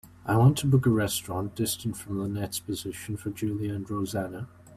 I want to book a restaurant distant from lynette's position for julia and rosanna.